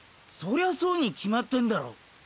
そりゃそうに決まってんだろ。